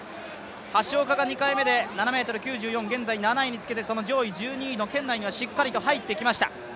橋岡が２回目で７ｍ９４、現在７位につけてその上位１２の圏内に入ってきました。